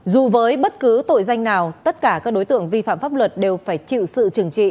dù với bất cứ tội danh nào tất cả các đối tượng vi phạm pháp luật đều phải chịu sự trừng trị